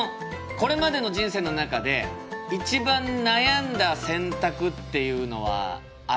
これまでの人生の中で一番悩んだ選択っていうのはありますか？